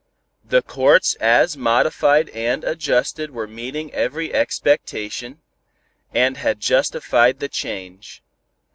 The courts as modified and adjusted were meeting every expectation, and had justified the change.